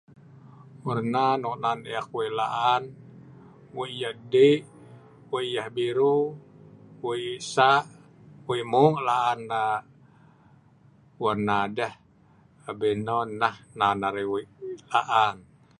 Warna nok nan eek wei laan wei yeh dii’, wei yeh biru, wei saa’, wei mueng laan aa…warna deeh, abien non nah nan arai wei laan